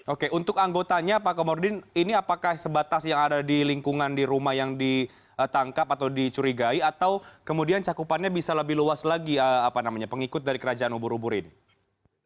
oke untuk anggotanya pak komodin ini apakah sebatas yang ada di lingkungan di rumah yang ditangkap atau dicurigai atau kemudian cakupannya bisa lebih luas lagi pengikut dari kerajaan ubur ubur ini